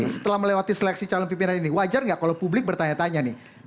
setelah melewati seleksi calon pimpinan ini wajar nggak kalau publik bertanya tanya nih